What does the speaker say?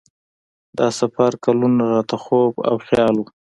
دا سفر کلونه راته خوب او خیال و.